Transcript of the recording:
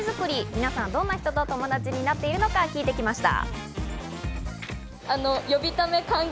皆さん、どんな人と友達になっているのか聞いてきました。